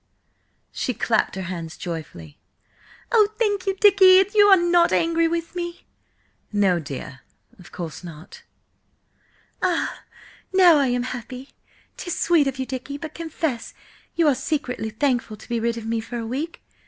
She clapped her hands joyfully. "Oh thank you, Dicky! And you are not angry with me?" "No, dear, of course not." "Ah! Now I am happy! 'Tis sweet of you, Dicky, but confess you are secretly thankful to be rid of me for a week!